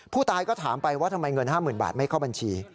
ผู้ตายก็ถามไปว่าทำไมเงิน๕๐๐๐บาทไม่เข้าบัญชี